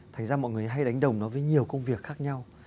thành ra mọi người hay đánh đồng nó với nhiều công việc khác nhau